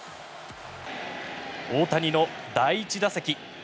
大谷の第１打席。